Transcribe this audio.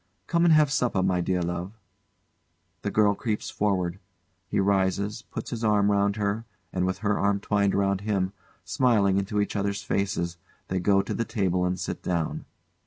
Come and have supper, my dear love. [The girl creeps forward. He rises, puts his arm round her, and with her arm twined round him, smiling into each other's faces, they go to the table and sit down.